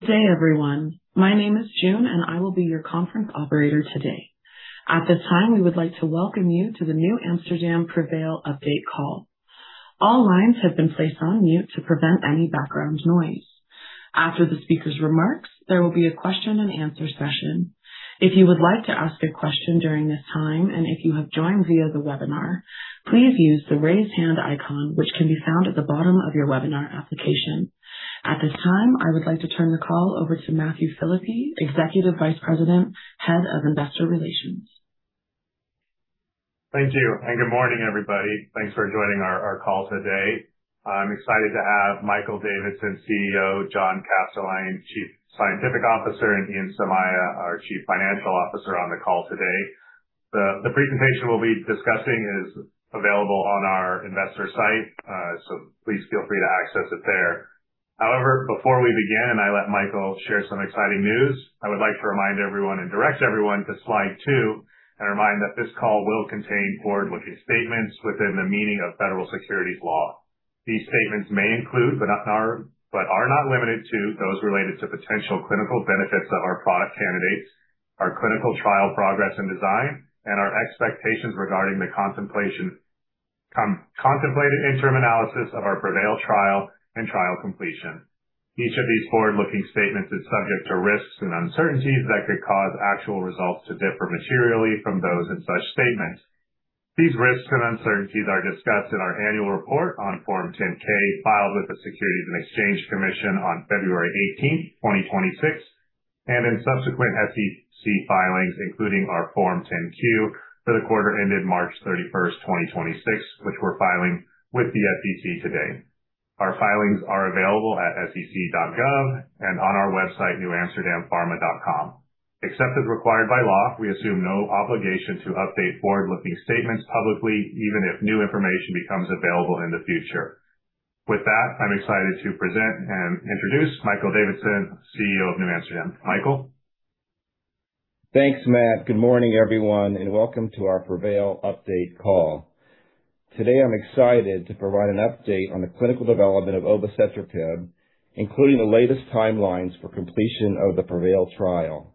Good day everyone. My name is June, and I will be your conference operator today. At this time, we would like to welcome you to the NewAmsterdam PREVAIL update call. All lines have been placed on mute to prevent any background noise. After the speaker's remarks, there will be a question and answer session. If you would like to ask a question during this time, and if you have joined via the webinar, please use the raise hand icon, which can be found at the bottom of your webinar application. At this time, I would like to turn the call over to Matthew Philippe, Executive Vice President, Head of Investor Relations. Thank you, and good morning, everybody. Thanks for joining our call today. I'm excited to have Michael Davidson, CEO, John Kastelein, Chief Scientific Officer, and Ian Somaiya, our Chief Financial Officer, on the call today. The presentation we'll be discussing is available on our investor site, so please feel free to access it there. However, before we begin and I let Michael share some exciting news, I would like to remind everyone and direct everyone to slide two and remind that this call will contain forward-looking statements within the meaning of federal securities law. These statements may include but are not limited to those related to potential clinical benefits of our product candidates, our clinical trial progress and design, and our expectations regarding the contemplated interim analysis of our PREVAIL trial and trial completion. Each of these forward-looking statements is subject to risks and uncertainties that could cause actual results to differ materially from those in such statements. These risks and uncertainties are discussed in our annual report on Form 10-K filed with the Securities and Exchange Commission on February 18th, 2026, and in subsequent SEC filings, including our Form 10-Q for the quarter ended March 31, 2026, which we're filing with the SEC today. Our filings are available at sec.gov and on our website, newamsterdampharma.com. Except as required by law, we assume no obligation to update forward-looking statements publicly, even if new information becomes available in the future. With that, I'm excited to present and introduce Michael Davidson, CEO of NewAmsterdam. Michael. Thanks, Matt. Good morning, everyone. Welcome to our PREVAIL update call. Today, I'm excited to provide an update on the clinical development of obicetrapib, including the latest timelines for completion of the PREVAIL trial.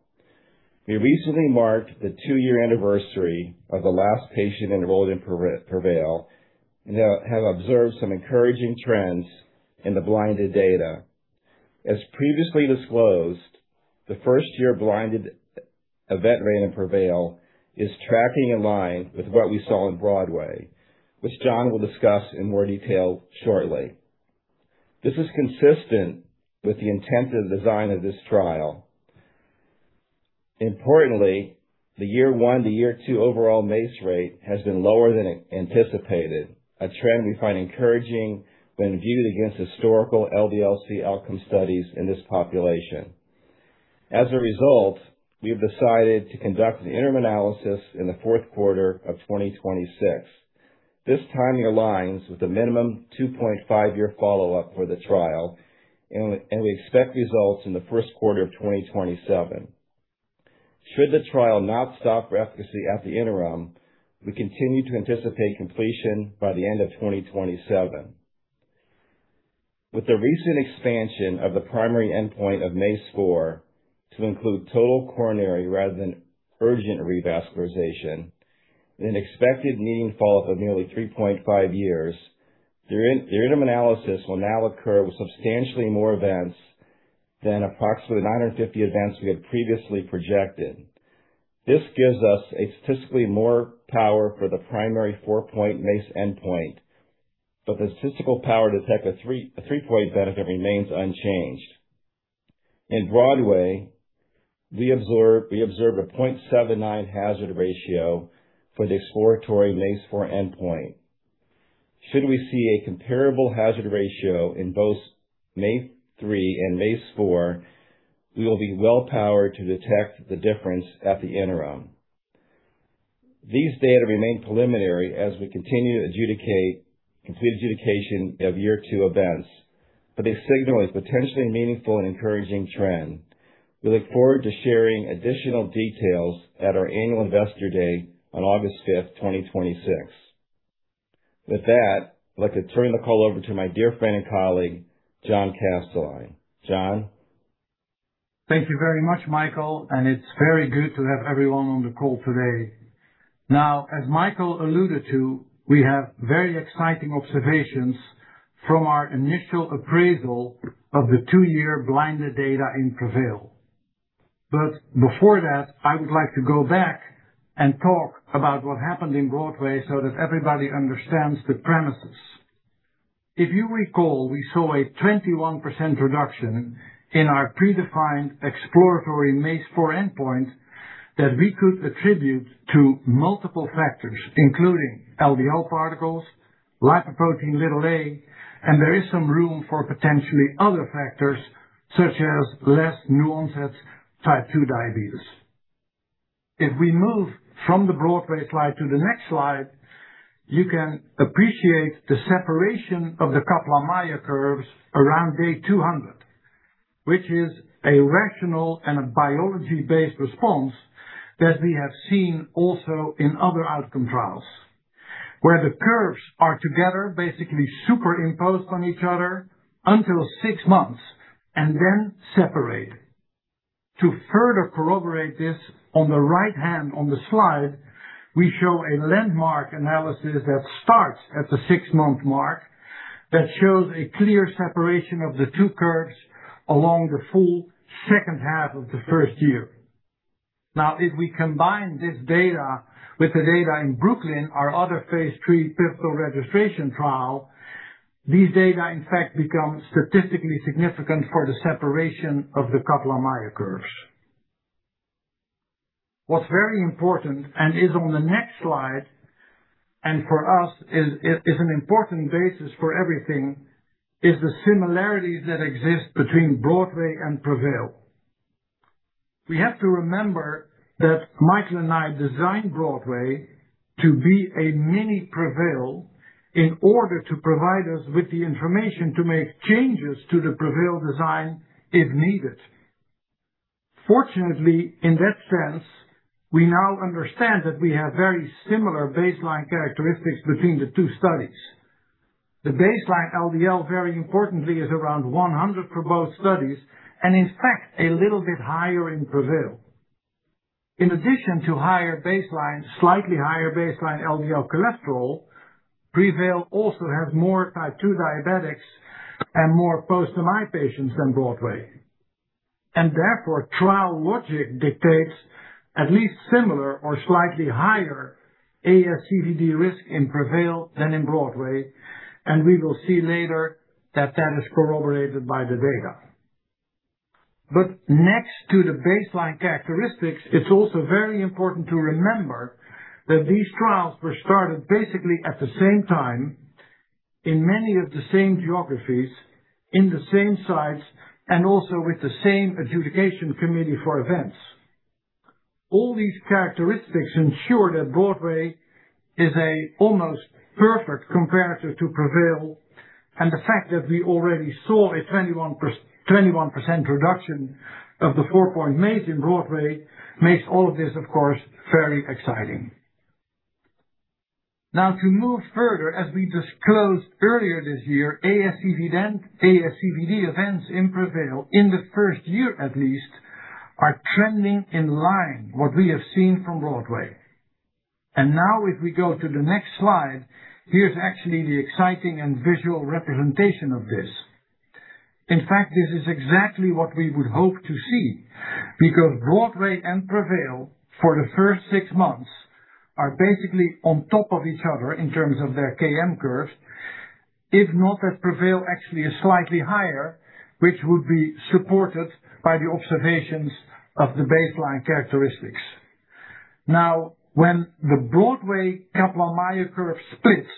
We recently marked the two-year anniversary of the last patient enrolled in PREVAIL and have observed some encouraging trends in the blinded data. As previously disclosed, the first-year blinded event rate in PREVAIL is tracking in line with what we saw in BROADWAY, which John will discuss in more detail shortly. This is consistent with the intent of the design of this trial. Importantly, the year one to year two overall MACE rate has been lower than anticipated, a trend we find encouraging when viewed against historical LDL-C outcome studies in this population. As a result, we've decided to conduct an interim analysis in the fourth quarter of 2026. This timing aligns with the minimum 2.5-year follow-up for the trial. We expect results in the first quarter of 2027. Should the trial not stop for efficacy at the interim, we continue to anticipate completion by the end of 2027. With the recent expansion of the primary endpoint of MACE-4 to include total coronary rather than urgent revascularization and an expected median follow-up of nearly 3.5 years, the interim analysis will now occur with substantially more events than approximately 950 events we had previously projected. This gives us a statistically more power for the primary 4-point MACE endpoint. The statistical power to detect a three-point benefit remains unchanged. In BROADWAY, we observe a 0.79 hazard ratio for the exploratory MACE-4 endpoint. Should we see a comparable hazard ratio in both MACE-3 and MACE-4, we will be well powered to detect the difference at the interim. These data remain preliminary as we continue adjudication of year two events, but they signal a potentially meaningful and encouraging trend. We look forward to sharing additional details at our annual investor day on August 5th, 2026. With that, I'd like to turn the call over to my dear friend and colleague, John Kastelein. John. Thank you very much, Michael, and it's very good to have everyone on the call today. As Michael alluded to, we have very exciting observations from our initial appraisal of the two-year blinded data in PREVAIL. Before that, I would like to go back and talk about what happened in BROADWAY so that everybody understands the premises. If you recall, we saw a 21% reduction in our predefined exploratory MACE-4 endpoint that we could attribute to multiple factors, including LDL particles, lipoprotein little a, and there is some room for potentially other factors such as less new-onset type 2 diabetes. If we move from the BROADWAY slide to the next slide, you can appreciate the separation of the Kaplan-Meier curves around day 200, which is a rational and a biology-based response that we have seen also in other outcome trials. Where the curves are together, basically superimposed on each other until six months, and then separate. To further corroborate this, on the right hand on the slide, we show a landmark analysis that starts at the six-month mark that shows a clear separation of the two curves along the full second half of the 1st year. Now, if we combine this data with the data in BROOKLYN, our other phase III pivotal registration trial, these data, in fact, become statistically significant for the separation of the Kaplan-Meier curves. What's very important, and is on the next slide, and for us is an important basis for everything, is the similarities that exist between BROADWAY and PREVAIL. We have to remember that Michael Davidson and I designed BROADWAY to be a mini PREVAIL in order to provide us with the information to make changes to the PREVAIL design if needed. Fortunately, in that sense, we now understand that we have very similar baseline characteristics between the two studies. The baseline LDL, very importantly, is around 100 for both studies, and in fact, a little bit higher in PREVAIL. In addition to higher baseline, slightly higher baseline LDL cholesterol, PREVAIL also has more type 2 diabetics and more post MI patients than BROADWAY. Therefore, trial logic dictates at least similar or slightly higher ASCVD risk in PREVAIL than in BROADWAY, and we will see later that that is corroborated by the data. Next to the baseline characteristics, it's also very important to remember that these trials were started basically at the same time in many of the same geographies, in the same sites, and also with the same adjudication committee for events. All these characteristics ensure that BROADWAY is a almost perfect comparator to PREVAIL, and the fact that we already saw a 21% reduction of the 4-point MACE in BROADWAY makes all of this, of course, very exciting. Now to move further, as we disclosed earlier this year, ASCVD events in PREVAIL, in the first year at least, are trending in line what we have seen from BROADWAY. Now if we go to the next slide, here is actually the exciting and visual representation of this. In fact, this is exactly what we would hope to see, because BROADWAY and PREVAIL, for the first six months, are basically on top of each other in terms of their KM curves. If not, that PREVAIL actually is slightly higher, which would be supported by the observations of the baseline characteristics. When the BROADWAY Kaplan-Meier curve splits,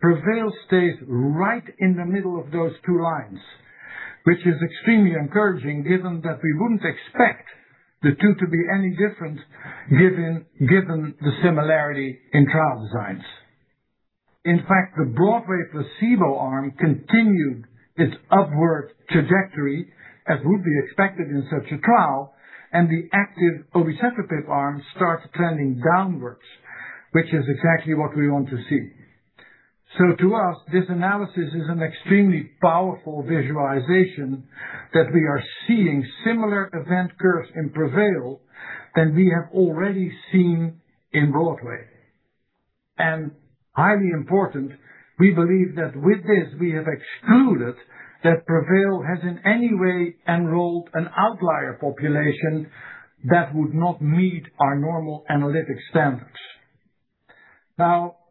PREVAIL stays right in the middle of those two lines, which is extremely encouraging given that we wouldn't expect the two to be any different, given the similarity in trial designs. In fact, the BROADWAY placebo arm continued its upward trajectory as would be expected in such a trial, and the active obicetrapib arm starts trending downwards, which is exactly what we want to see. To us, this analysis is an extremely powerful visualization that we are seeing similar event curves in PREVAIL than we have already seen in BROADWAY. Highly important, we believe that with this, we have excluded that PREVAIL has in any way enrolled an outlier population that would not meet our normal analytic standards.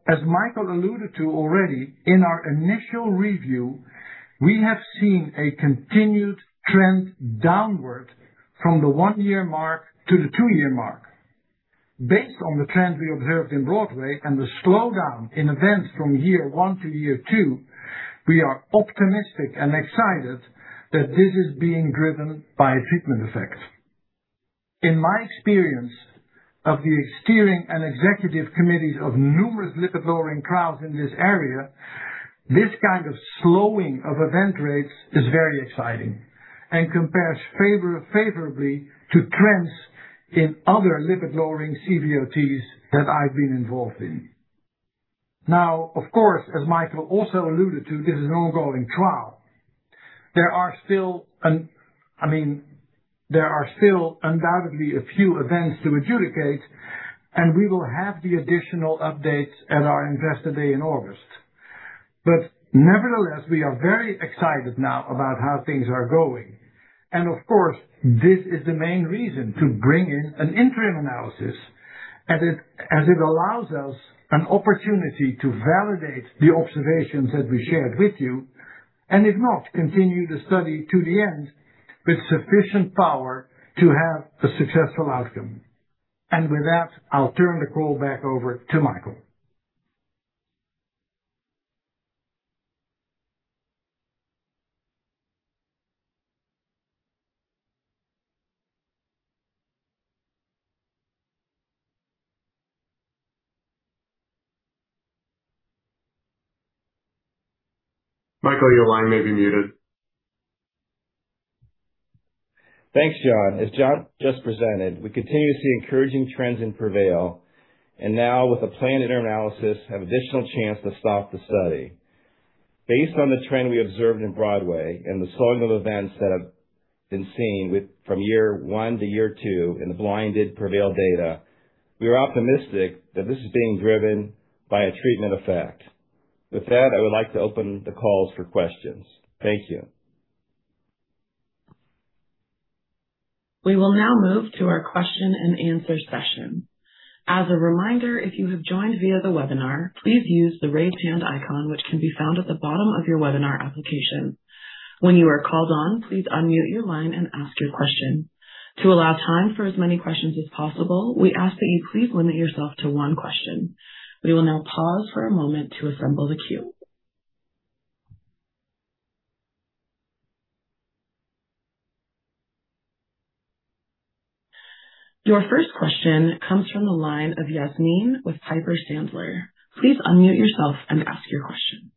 As Michael alluded to already, in our initial review, we have seen a continued trend downward from the one-year mark to the two-year mark. Based on the trend we observed in BROADWAY and the slowdown in events from year one to year two, we are optimistic and excited that this is being driven by a treatment effect. In my experience of the steering and executive committees of numerous lipid-lowering trials in this area, this kind of slowing of event rates is very exciting and compares favorably to trends in other lipid-lowering CVOTs that I've been involved in. Of course, as Michael also alluded to, this is an ongoing trial. There are still, I mean, there are still undoubtedly a few events to adjudicate, and we will have the additional updates at our Investor Day in August. Nevertheless, we are very excited now about how things are going. Of course, this is the main reason to bring in an interim analysis, as it allows us an opportunity to validate the observations that we shared with you, and if not, continue the study to the end with sufficient power to have a successful outcome. With that, I'll turn the call back over to Michael. Michael, your line may be muted. Thanks, John. As John just presented, we continue to see encouraging trends in PREVAIL and now with a planned interim analysis, have additional chance to stop the study. Based on the trend we observed in BROADWAY and the sorting of events that have been seen with from year one to year two in the blinded PREVAIL data, we are optimistic that this is being driven by a treatment effect. With that, I would like to open the calls for questions. Thank you. We will now move to our question and answer session. As a reminder, if you have joined via the webinar, please use the raise hand icon, which can be found at the bottom of your webinar application. When you are called on, please unmute your line and ask your question. To allow time for as many questions as possible, we ask that you please limit yourself to one question. We will now pause for a moment to assemble the queue. Your first question comes from the line of Yasmin with Piper Sandler. Please unmute yourself and ask your question.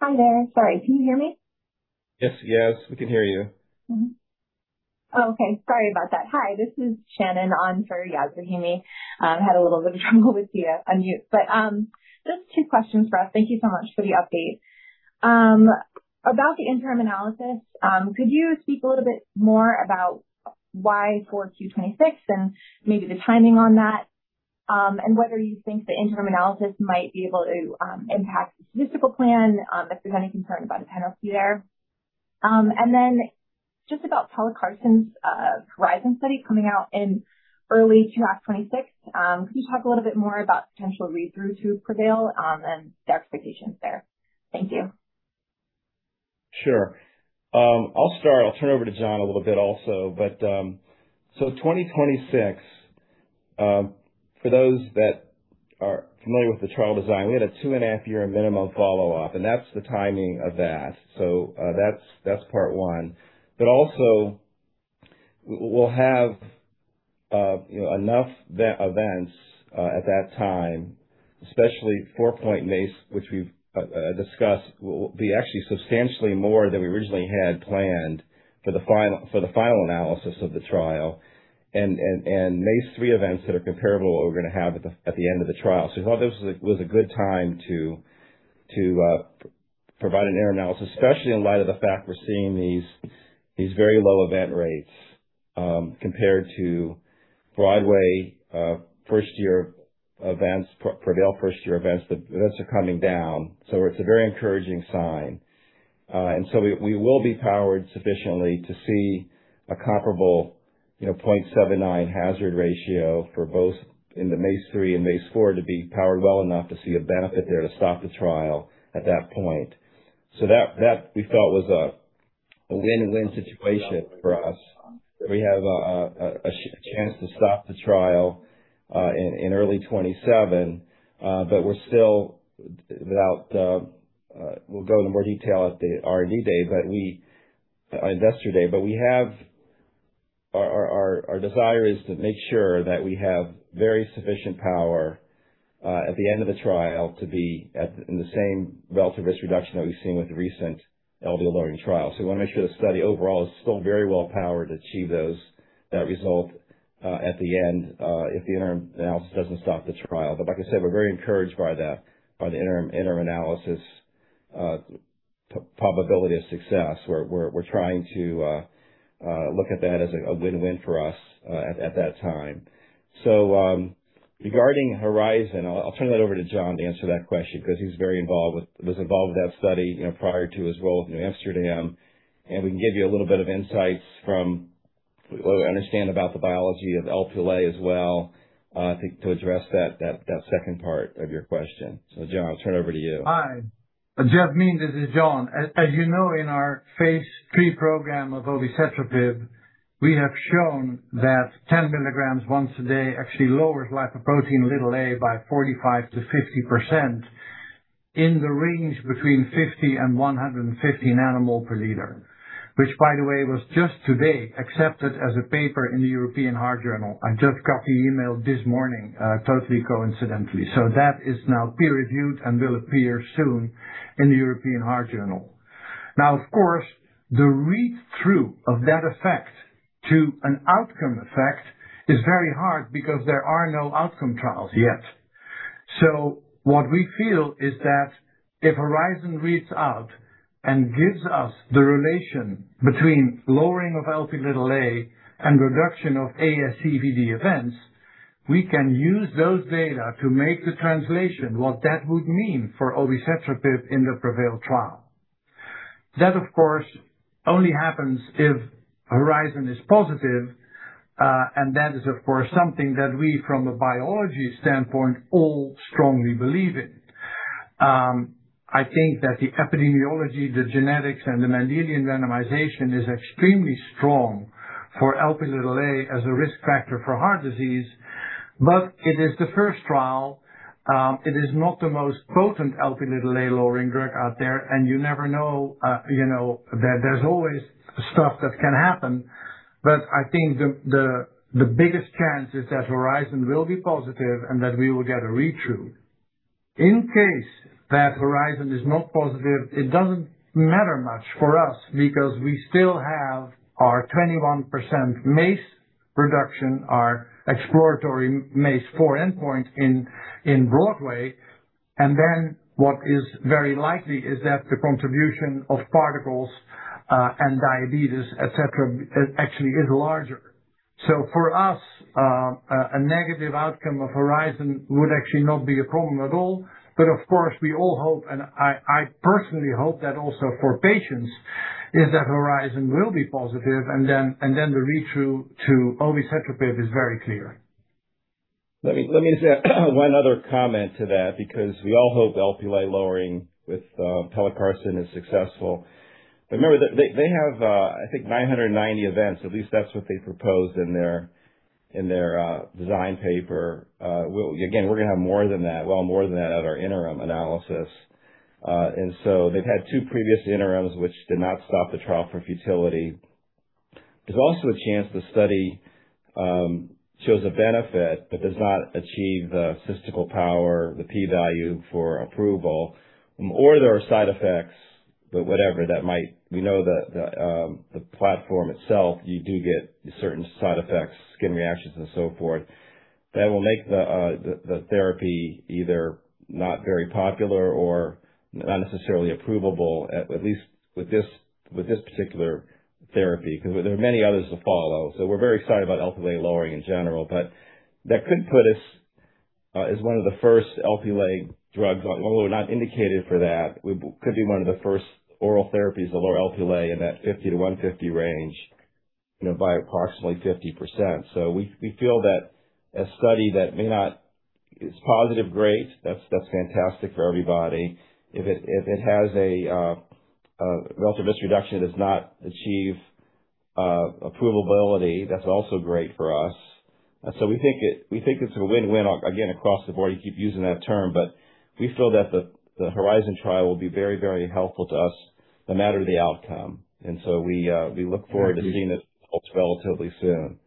Hi there. Sorry. Can you hear me? Yes, yes, we can hear you. Sorry about that. Hi, this is Shannon on for Yasmin. Had a little bit of trouble with the unmute, but just two questions for us. Thank you so much for the update. About the interim analysis, could you speak a little bit more about why 4Q 2026 and maybe the timing on that, and whether you think the interim analysis might be able to impact the statistical plan, if there's any concern about a penalty there? Just about pelacarsen's HORIZON study coming out in early 2026. Could you talk a little bit more about potential read-through to PREVAIL, and the expectations there? Thank you. Sure. I'll start. I'll turn it over to John a little bit also. 2026, for those that are familiar with the trial design, we had a 2.5 year minimum follow-up, that's the timing of that. That's part one. Also, we'll have enough events at that time, especially 4-point MACE, which we've discussed, will be actually substantially more than we originally had planned for the final analysis of the trial and MACE-3 events that are comparable what we're gonna have at the end of the trial. We thought this was a good time to provide an interim analysis, especially in light of the fact we're seeing these very low event rates compared to PREVAIL first-year events. The events are coming down, it's a very encouraging sign. We will be powered sufficiently to see a comparable, you know, 0.79 hazard ratio for both in the MACE-3 and MACE-4 to be powered well enough to see a benefit there to stop the trial at that point. That we felt was a win-win situation for us. We have a chance to stop the trial in early 2027. We'll go into more detail at the Investor Day, but our desire is to make sure that we have very sufficient power at the end of the trial to be in the same relative risk reduction that we've seen with the recent LDL-lowering trial. We wanna make sure the study overall is still very well powered to achieve those, that result at the end if the interim analysis doesn't stop the trial. Like I said, we're very encouraged by that, by the interim analysis probability of success. We're trying to look at that as a win-win for us at that time. Regarding HORIZON, I'll turn that over to John to answer that question because he was involved with that study, you know, prior to his role with NewAmsterdam, and we can give you a little bit of insights from what we understand about the biology of Lp(a) as well, to address that second part of your question. John, I'll turn it over to you. Hi. Yasmin, this is John. As you know, in our phase III program of obicetrapib, we have shown that 10 mg once a day actually lowers lipoprotein little a by 45%-50% in the range between 50 and 115 nanomole per liter. Which, by the way, was just today accepted as a paper in the European Heart Journal. I just got the email this morning, totally coincidentally. That is now peer-reviewed and will appear soon in the European Heart Journal. Of course, the read-through of that effect to an outcome effect is very hard because there are no outcome trials yet. What we feel is that if HORIZON reads out and gives us the relation between lowering of Lp(a) and reduction of ASCVD events, we can use those data to make the translation what that would mean for obicetrapib in the PREVAIL trial. That, of course, only happens if HORIZON is positive, and that is of course something that we from a biology standpoint all strongly believe in. I think that the epidemiology, the genetics, and the Mendelian randomization is extremely strong for Lp(a) as a risk factor for heart disease. It is the first trial. It is not the most potent Lp(a) lowering drug out there. You never know, you know, there is always stuff that can happen. I think the biggest chance is that HORIZON will be positive and that we will get a read-through. In case that HORIZON is not positive, it doesn't matter much for us because we still have our 21% MACE reduction, our exploratory MACE-4 endpoint in BROADWAY. What is very likely is that the contribution of particles and diabetes, et cetera, actually is larger. For us, a negative outcome of HORIZON would actually not be a problem at all. Of course, we all hope, and I personally hope that also for patients, is that HORIZON will be positive and then the read-through to obicetrapib is very clear. Let me say one other comment to that, because we all hope Lp(a) lowering with pelacarsen is successful. Remember that they have, I think 990 events, at least that's what they proposed in their design paper. Again, we're gonna have more than that, well more than that at our interim analysis. They've had two previous interims which did not stop the trial for futility. There's also a chance the study shows a benefit but does not achieve the statistical power, the p-value for approval. There are side effects. We know that the platform itself, you do get certain side effects, skin reactions and so forth, that will make the therapy either not very popular or not necessarily approvable, at least with this particular therapy, because there are many others to follow. We're very excited about Lp(a) lowering in general. That could put us as one of the first Lp(a) drugs. Although we're not indicated for that, we could be one of the first oral therapies to lower Lp(a) in that 50-150 range, you know, by approximately 50%. We feel that. It's positive, great. That's fantastic for everybody. If it has a relative risk reduction, does not achieve approvability, that's also great for us. We think it's a win-win again across the board. You keep using that term, but we feel that the HORIZON trial will be very helpful to us no matter the outcome. We look forward to seeing the results relatively soon.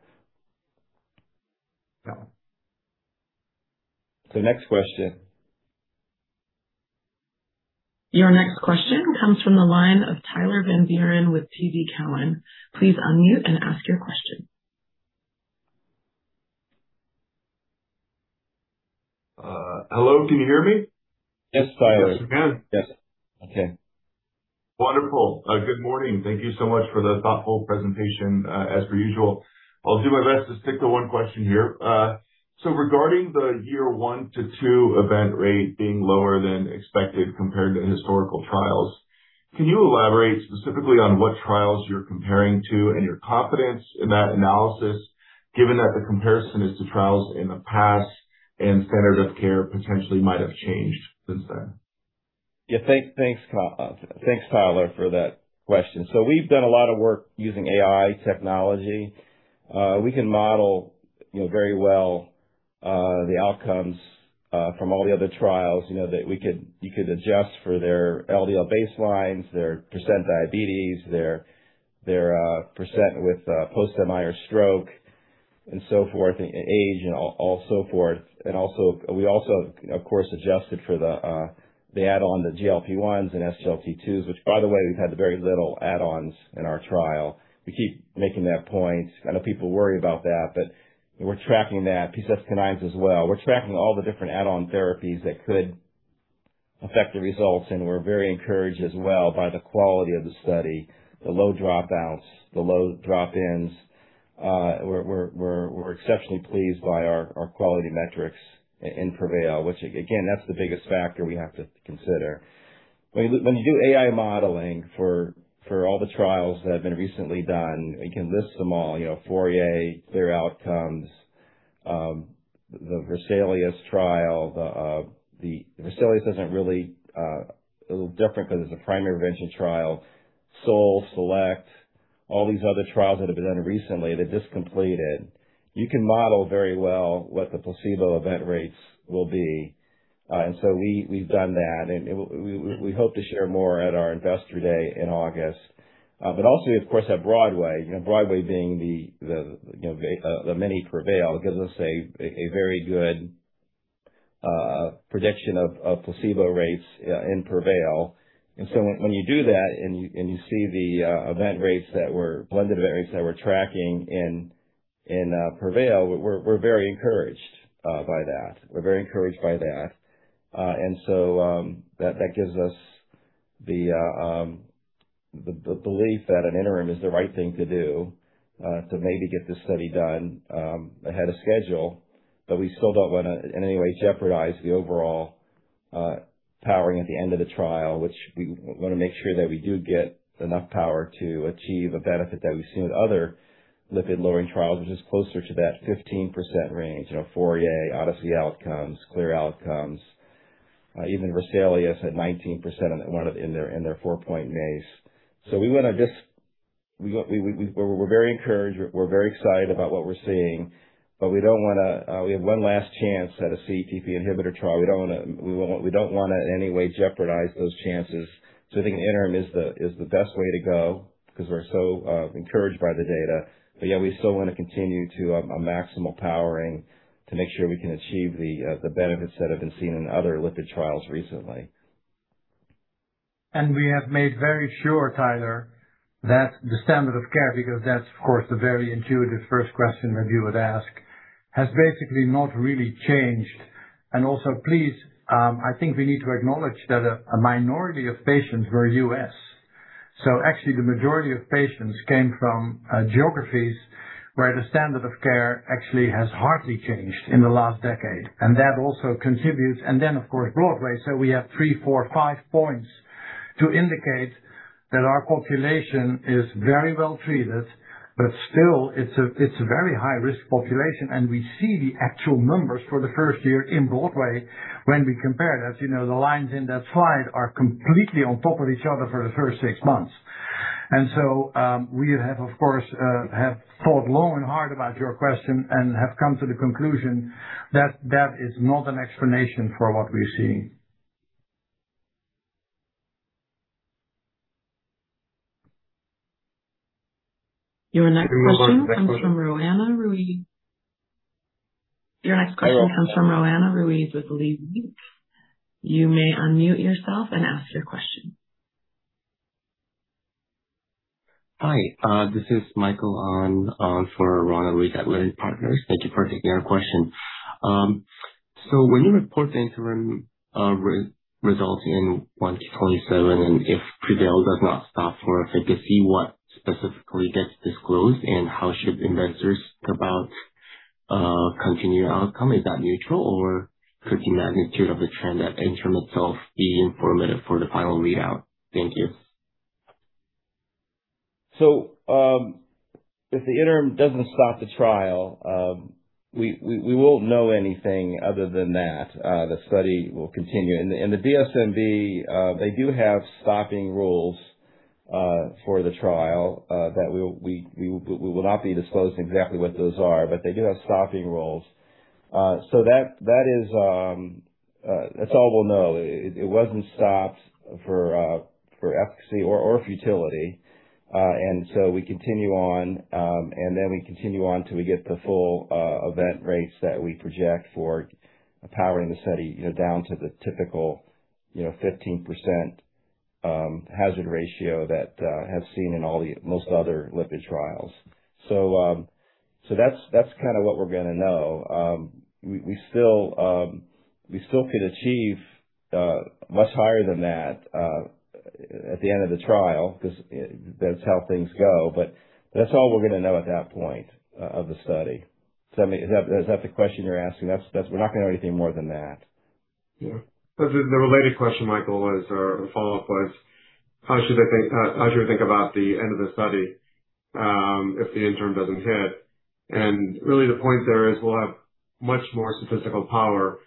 Next question. Your next question comes from the line of Tyler Van Buren with TD Cowen. Please unmute and ask your question. Hello, can you hear me? Yes, Tyler. Yes, we can. Yes. Okay. Wonderful. Good morning. Thank you so much for the thoughtful presentation, as per usual. I'll do my best to stick to one question here. Regarding the year 1-2 event rate being lower than expected compared to historical trials, can you elaborate specifically on what trials you're comparing to and your confidence in that analysis, given that the comparison is to trials in the past and standard of care potentially might have changed since then? Thanks, Tyler, for that question. We've done a lot of work using AI technology. We can model, you know, very well, the outcomes from all the other trials. You know, you could adjust for their LDL baselines, their percent diabetes, their percent with post-MI or stroke and so forth, and age and all so forth. Also, we also, of course, adjusted for the add-on, the GLP-1s and SGLT2s, which by the way, we've had very little add-ons in our trial. We keep making that point. I know people worry about that, but we're tracking that. PCSK9s as well. We're tracking all the different add-on therapies that could affect the results, and we're very encouraged as well by the quality of the study, the low dropouts, the low drop-ins. We're exceptionally pleased by our quality metrics in PREVAIL, which again, that's the biggest factor we have to consider. When you do AI modeling for all the trials that have been recently done, you can list them all, you know, FOURIER, CLEAR Outcomes, the VESALIUS-CV trial. The VESALIUS-CV doesn't really. It's different 'cause it's a primary prevention trial. SOUL, SELECT, all these other trials that have been recently done, they've just completed. You can model very well what the placebo event rates will be. We've done that, and we hope to share more at our Investor Day in August. We of course have BROADWAY. You know, BROADWAY being the, you know, the mini PREVAIL. It gives us a very good prediction of placebo rates in PREVAIL. When you do that and you see the blended event rates that we're tracking in PREVAIL, we're very encouraged by that. We're very encouraged by that. That gives us the belief that an interim is the right thing to do to maybe get this study done ahead of schedule. We still don't wanna in any way jeopardize the overall powering at the end of the trial, which we wanna make sure that we do get enough power to achieve a benefit that we've seen with other lipid-lowering trials, which is closer to that 15% range. You know, FOURIER, ODYSSEY Outcomes, CLEAR Outcomes. Even VESALIUS-CV at 19% in their 4-point MACE. We're very encouraged. We're very excited about what we're seeing, we don't wanna, we have one last chance at a CETP inhibitor trial. We don't wanna in any way jeopardize those chances. I think the interim is the best way to go because we're so encouraged by the data. Yeah, we still wanna continue to a maximal powering to make sure we can achieve the benefits that have been seen in other lipid trials recently. We have made very sure, Tyler, that the standard of care, because that's of course the very intuitive first question that you would ask, has basically not really changed. Also, please, I think we need to acknowledge that a minority of patients were U.S. Actually the majority of patients came from geographies where the standard of care actually has hardly changed in the last decade. That also contributes. Of course, Broadway. We have three, four, five points to indicate that our population is very well treated, but still it's a very high-risk population. We see the actual numbers for the first year in Broadway when we compare it. As you know, the lines in that slide are completely on top of each other for the first six months. We have of course thought long and hard about your question and have come to the conclusion that that is not an explanation for what we're seeing. Your next question comes from Roanna Ruiz. Your next question comes from Roanna Ruiz with Leerink. You may unmute yourself and ask your question. Hi, this is Michael on for Roanna Ruiz at Leerink Partners. Thank you for taking our question. When you report the interim results in 1Q 2027, and if PREVAIL does not stop for efficacy, what specifically gets disclosed and how should investors care about continued outcome? Is that neutral or could the magnitude of the trend at interim itself be informative for the final readout? Thank you. If the interim doesn't stop the PREVAIL trial, we won't know anything other than that the study will continue. The DSMB, they do have stopping rules for the trial that we will not be disclosing exactly what those are, but they do have stopping rules. That is all we'll know. It wasn't stopped for efficacy or futility. We continue on, and then we continue on till we get the full event rates that we project for powering the study, you know, down to the typical, you know, 15% hazard ratio that has seen in all the most other lipid trials. That's kinda what we're gonna know. We still could achieve much higher than that at the end of the trial 'cause that's how things go, but that's all we're gonna know at that point of the study. Is that the question you're asking? That's we're not gonna know anything more than that. The related question, Michael, is, or the follow-up was how should we think about the end of the study if the interim doesn't hit? Really the point there is we'll have much more statistical power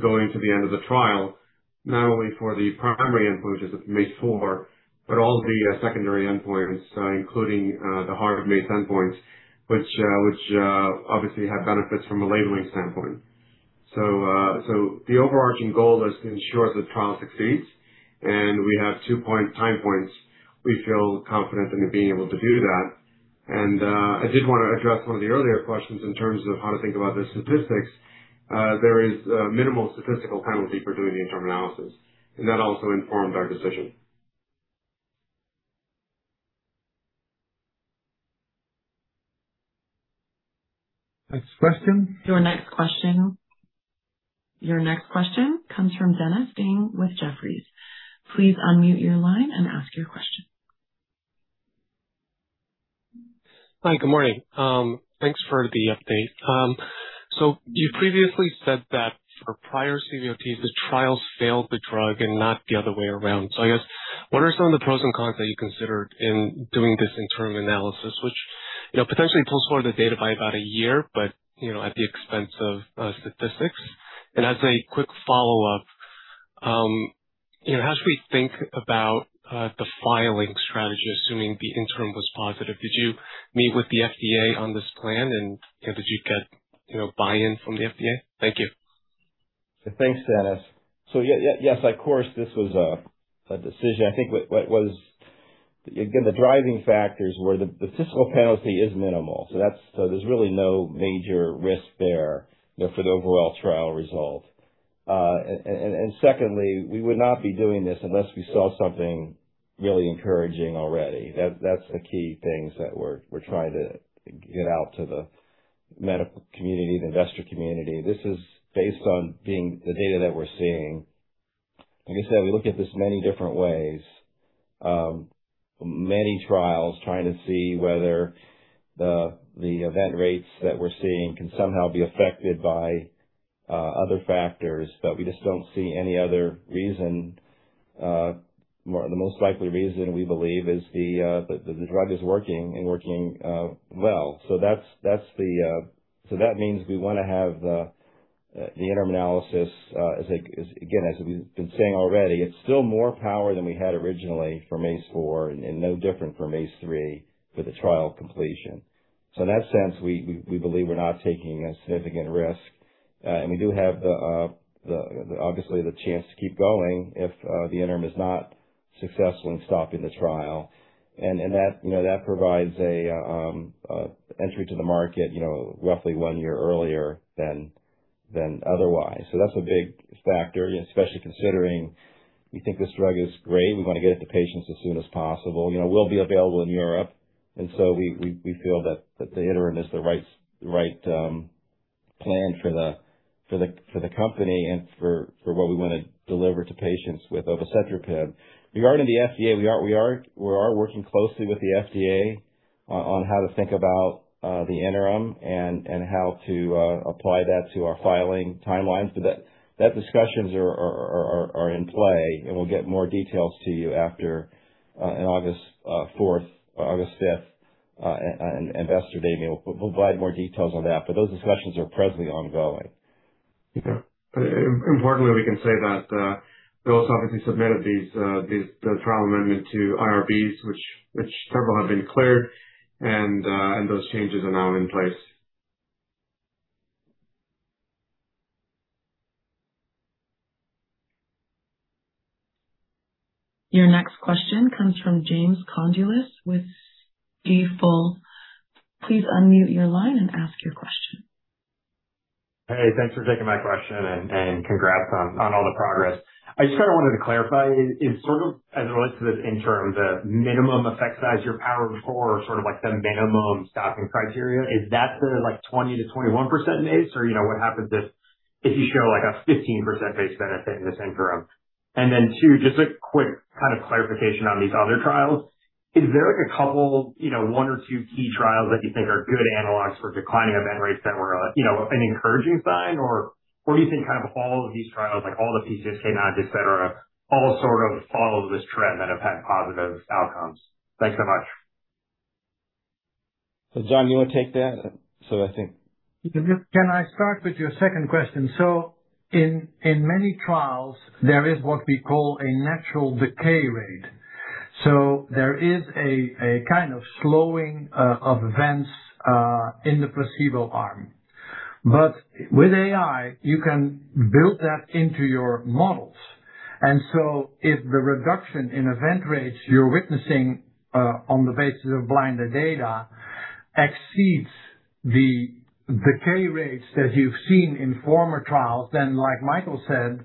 going to the end of the trial, not only for the primary endpoints, which is MACE-4, but all the secondary endpoints, including the hard MACE endpoints, which obviously have benefits from a labeling standpoint. The overarching goal is to ensure the trial succeeds, and we have two point time points. We feel confident in it being able to do that. I did want to address one of the earlier questions in terms of how to think about the statistics. There is a minimal statistical penalty for doing the interim analysis, and that also informed our decision. Next question. Your next question comes from Dennis Ding with Jefferies. Please unmute your line and ask your question. Hi. Good morning. Thanks for the update. You previously said that for prior CVOTs, the trials failed the drug and not the other way around. I guess what are some of the pros and cons that you considered in doing this interim analysis, which, you know, potentially postpone the data by about one year, but, you know, at the expense of statistics? As a quick follow-up, you know, how should we think about the filing strategy assuming the interim was positive? Did you meet with the FDA on this plan, and did you get, you know, buy-in from the FDA? Thank you. Thanks, Dennis. Yes, of course, this was a decision. I think again, the driving factors were the statistical penalty is minimal, so there's really no major risk there, you know, for the overall trial result. Secondly, we would not be doing this unless we saw something really encouraging already. That's the key things that we're trying to get out to the medical community, the investor community. This is based on being the data that we're seeing. Like I said, we look at this many different ways, many trials trying to see whether the event rates that we're seeing can somehow be affected by other factors, but we just don't see any other reason. The most likely reason, we believe, is the drug is working and working well. That's that's the, that means we wanna have the interim analysis as like, as again, as we've been saying already, it's still more power than we had originally for MACE-4 and no different from MACE-3 for the trial completion. In that sense, we believe we're not taking a significant risk. We do have the obviously the chance to keep going if the interim is not successful in stopping the trial. That, you know, that provides a entry to the market, you know, roughly one year earlier than otherwise. That's a big factor, especially considering we think this drug is great. We wanna get it to patients as soon as possible. You know, we'll be available in Europe. We feel that the interim is the right the right plan for the company and for what we wanna deliver to patients with obicetrapib. Regarding the FDA, we are working closely with the FDA on how to think about the interim and how to apply that to our filing timelines. That, that discussions are in play, and we'll get more details to you after, in August 4th or August 5th, investor day, we'll provide more details on that. Those discussions are presently ongoing. Importantly, we can say that those obviously submitted these the trial amendment to IRBs which several have been cleared and those changes are now in place. Your next question comes from James Condulis with Stifel. Please unmute your line and ask your question. Hey, thanks for taking my question and congrats on all the progress. I just kind of wanted to clarify in sort of as it relates to this interim, the minimum effect size you're powered for sort of like the minimum stopping criteria, is that the like 20%-21% base? Or, you know, what happens if you show like a 15% base benefit in this interim? Two, just a quick kind of clarification on these other trials. Is there like a couple, you know, one or two key trials that you think are good analogs for declining event rates that were, you know, an encouraging sign? Or you think kind of all of these trials, like all the PCSK9s, et cetera, all sort of follow this trend that have had positive outcomes. Thanks so much. John, you wanna take that? Can I start with your second question? In many trials, there is what we call a natural decay rate. There is a kind of slowing of events in the placebo arm. With AI, you can build that into your models. If the reduction in event rates you're witnessing on the basis of blinded data exceeds the decay rates that you've seen in former trials, like Michael said,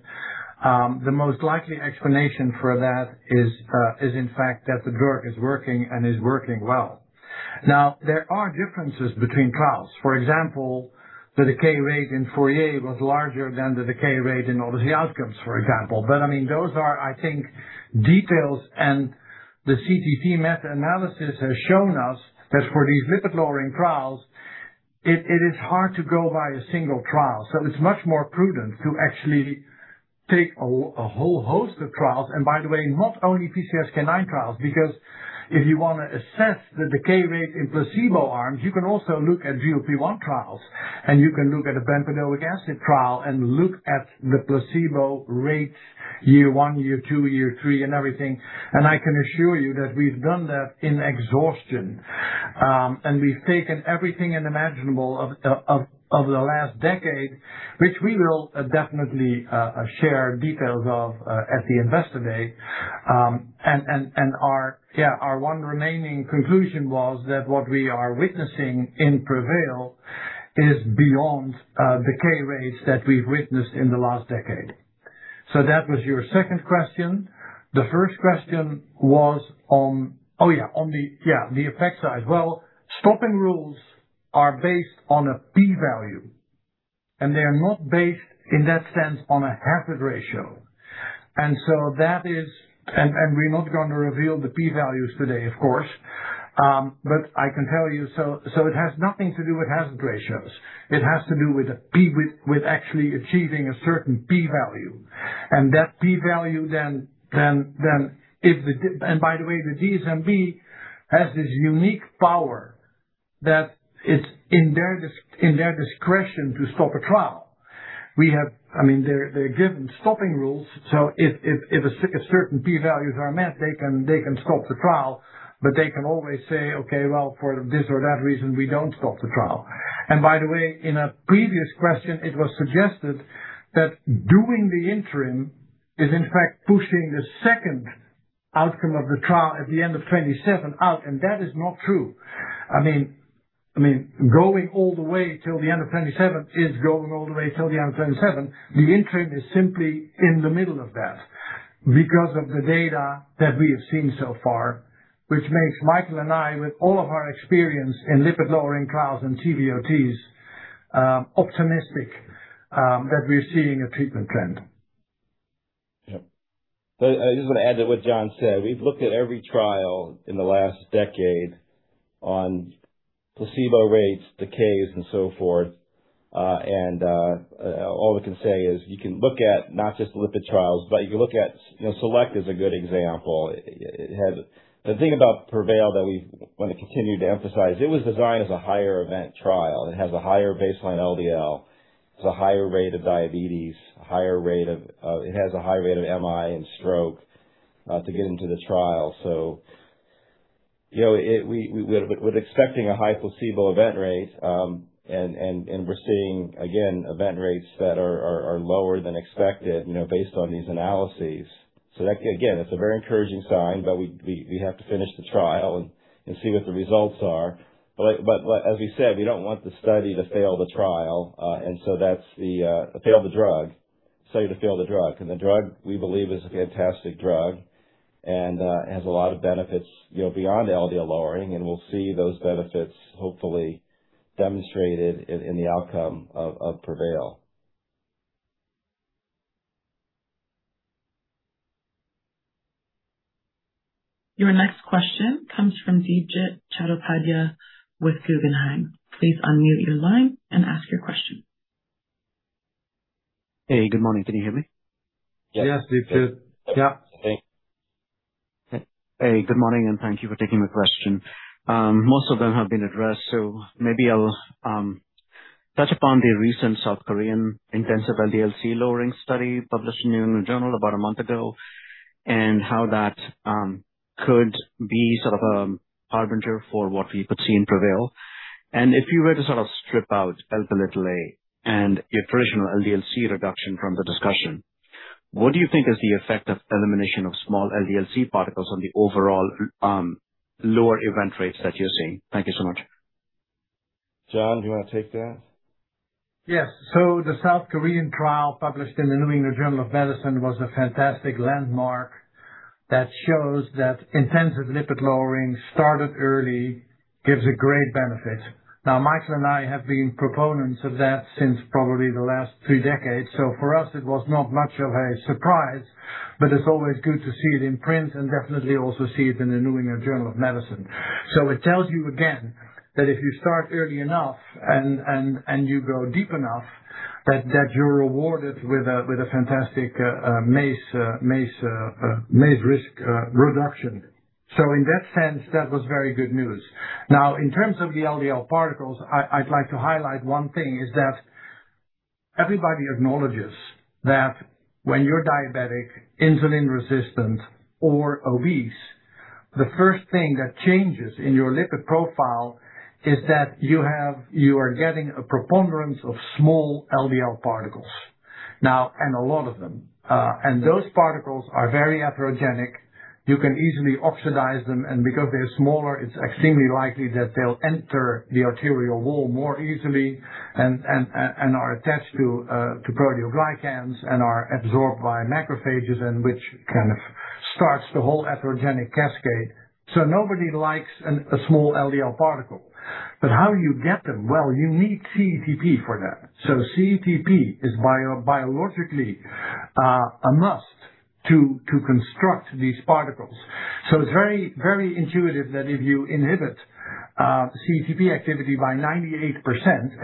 the most likely explanation for that is in fact that the drug is working and is working well. There are differences between trials. For example, the decay rate in FOURIER was larger than the decay rate in all of the outcomes, for example. I mean, those are, I think, details and the CTT meta-analysis has shown us that for these lipid-lowering trials, it is hard to go by a single trial. It's much more prudent to actually take a whole host of trials, and by the way, not only PCSK9 trials, because if you wanna assess the decay rate in placebo arms, you can also look at GLP-1 trials, and you can look at a bempedoic acid trial and look at the placebo rates year one, year two, year three and everything. I can assure you that we've done that in exhaustion. We've taken everything imaginable of the last decade, which we will definitely share details of at the investor day. Our one remaining conclusion was that what we are witnessing in PREVAIL is beyond decay rates that we've witnessed in the last decade. That was your second question. The first question was on the effect size. Stopping rules are based on a p-value, they're not based in that sense on a hazard ratio. We're not gonna reveal the p-values today, of course. I can tell you it has nothing to do with hazard ratios. It has to do with actually achieving a certain p-value. That p-value and by the way, the DSMB has this unique power that it's in their discretion to stop a trial. I mean, they're given stopping rules, so if a certain p-values are met, they can stop the trial, but they can always say, "Okay, well, for this or that reason, we don't stop the trial." By the way, in a previous question, it was suggested that doing the interim is in fact pushing the second outcome of the trial at the end of 2027 out, and that is not true. I mean, going all the way till the end of 2027 is going all the way till the end of 2027. The interim is simply in the middle of that because of the data that we have seen so far, which makes Michael and I, with all of our experience in lipid-lowering trials and CVOTs, optimistic that we're seeing a treatment trend. Yeah. I just want to add to what John said. We've looked at every trial in the last decade, on placebo rates, decays, and so forth. All we can say is you can look at not just lipid trials, you can look at, you know, SELECT is a good example. The thing about PREVAIL that we want to continue to emphasize, it was designed as a higher event trial. It has a higher baseline LDL. It's a higher rate of diabetes, a higher rate of, it has a higher rate of MI and stroke to get into the trial. You know, it, we're expecting a high placebo event rate, and we're seeing again event rates that are lower than expected, you know, based on these analyses. That, again, it's a very encouraging sign, but we have to finish the trial and see what the results are. As we said, we don't want the study to fail the trial. That's the fail the drug. Study to fail the drug. The drug, we believe, is a fantastic drug and has a lot of benefits, you know, beyond LDL lowering, and we'll see those benefits hopefully demonstrated in the outcome of PREVAIL. Your next question comes from Debjit Chattopadhyay with Guggenheim. Please unmute your line and ask your question. Hey, good morning. Can you hear me? Yes, Debjit. Yeah. Hey. Hey, good morning, and thank you for taking the question. Most of them have been addressed, maybe I'll touch upon the recent South Korean intensive LDL-C lowering study published in the New England Journal about a month ago and how that could be sort of harbinger for what we could see in PREVAIL. If you were to sort of strip out Lp(a) and your traditional LDL-C reduction from the discussion, what do you think is the effect of elimination of small LDL-C particles on the overall lower event rates that you're seeing? Thank you so much. John, do you want to take that? Yes. The South Korean trial published in the New England Journal of Medicine was a fantastic landmark that shows that intensive lipid lowering started early gives a great benefit. Michael and I have been proponents of that since probably the last three decades. For us it was not much of a surprise, but it's always good to see it in print and definitely also see it in the New England Journal of Medicine. It tells you again that if you start early enough and you go deep enough, you're rewarded with a fantastic MACE risk reduction. In that sense, that was very good news. In terms of the LDL particles, I'd like to highlight one thing is that everybody acknowledges that when you're diabetic, insulin resistant or obese, the first thing that changes in your lipid profile is that you are getting a preponderance of small LDL particles. A lot of them. Those particles are very atherogenic. You can easily oxidize them, and because they're smaller, it's extremely likely that they'll enter the arterial wall more easily and are attached to proteoglycans and are absorbed by macrophages and which kind of starts the whole atherogenic cascade. Nobody likes a small LDL particle. How you get them? Well, you need CETP for that. CETP is biologically a must to construct these particles. It's very, very intuitive that if you inhibit CETP activity by 98%,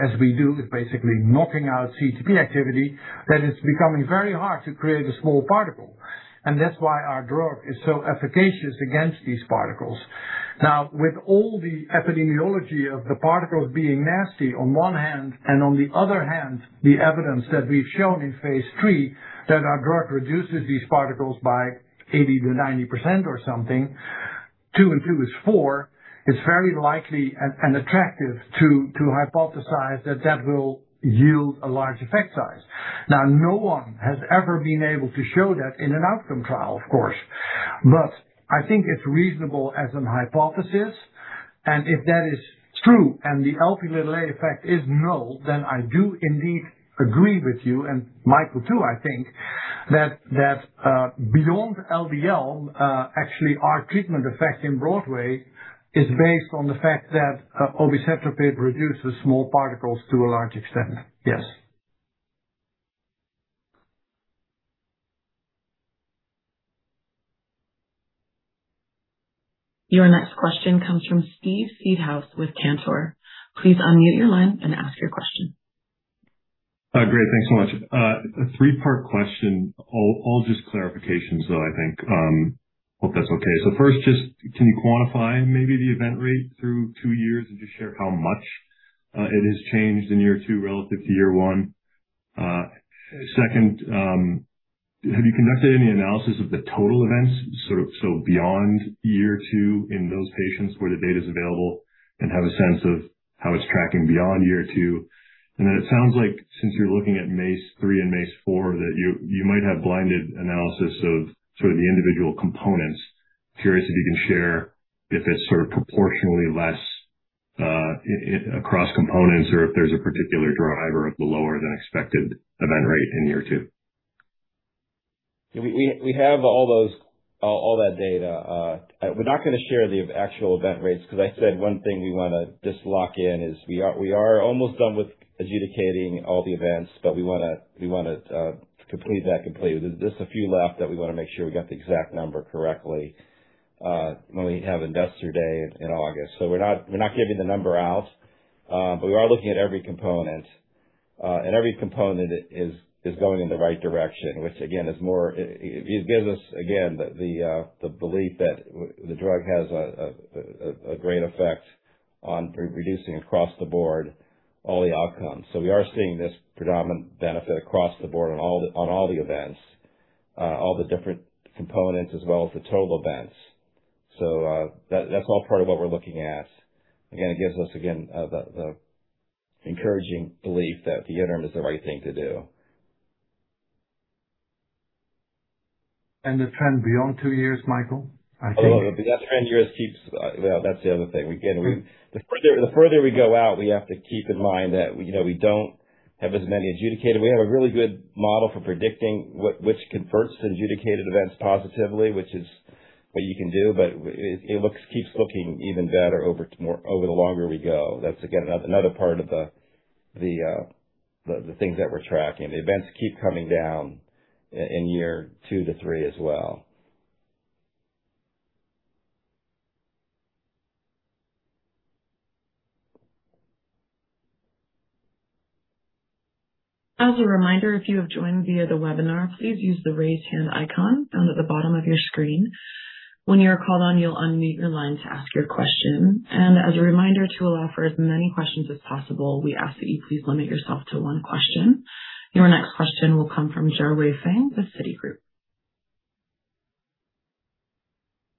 as we do with basically knocking out CETP activity, then it's becoming very hard to create a small particle. That's why our drug is so efficacious against these particles. With all the epidemiology of the particles being nasty on one hand and on the other hand, the evidence that we've shown in phase III that our drug reduces these particles by 80%-90% or something, two and two is four, it's very likely and attractive to hypothesize that that will yield a large effect size. No one has ever been able to show that in an outcome trial, of course, but I think it's reasonable as an hypothesis. If that is true and the Lp(a) effect is null, then I do indeed agree with you and Michael Davidson too, I think, that, beyond LDL, actually our treatment effect in BROADWAY is based on the fact that, obicetrapib reduces small particles to a large extent. Yes. Your next question comes from Steve Seedhouse with Cantor. Please unmute your line and ask your question. Great. Thanks so much. A three-part question. All just clarifications though, I think. Hope that's okay. First, just can you quantify maybe the event rate through two years and just share how much it has changed in year two relative to year one? Second, have you conducted any analysis of the total events, sort of so beyond year two in those patients where the data's available and have a sense of how it's tracking beyond year two? Then it sounds like since you're looking at MACE-3 and MACE-4, that you might have blinded analysis of sort of the individual components. Curious if you can share if it's sort of proportionally less across components or if there's a particular driver of the lower than expected event rate in year two. We have all that data. We're not going to share the actual event rates. I said one thing we want to just lock in is we are almost done with adjudicating all the events, but we want to complete that completely. There's just a few left that we want to make sure we got the exact number correctly when we have Investor Day in August. We're not giving the number out. We are looking at every component. Every component is going in the right direction, which again It gives us again the belief that the drug has a great effect on reducing across the board all the outcomes. We are seeing this predominant benefit across the board on all the events, all the different components as well as the total events. That's all part of what we're looking at. Again, it gives us again the encouraging belief that the interim is the right thing to do. The trend beyond two years, Michael, I think. Oh, no. That trend just keeps. Well, that's the other thing. We again, the further we go out, we have to keep in mind that, you know, we don't have as many adjudicated. We have a really good model for predicting which converts to adjudicated events positively, which is what you can do. It keeps looking even better over the longer we go. That's again another part of the things that we're tracking. The events keep coming down in year 2-3 as well. As a reminder, if you have joined via the webinar, please use the raise hand icon found at the bottom of your screen. When you are called on, you'll unmute your line to ask your question. As a reminder to allow for as many questions as possible, we ask that you please limit yourself to one question. Your next question will come from Jarwei Fang with Citigroup.